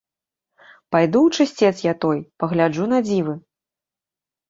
Пайду ў чысцец я той, пагляджу на дзівы!